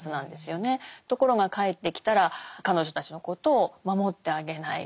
ところが帰ってきたら彼女たちのことを守ってあげない。